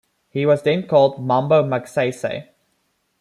He was then called "Mambo Magsaysay".